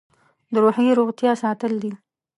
د روحي روغتیا ساتل دي.